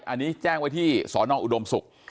อันนี้แจ้งไว้ที่สอนออุดมศุกร์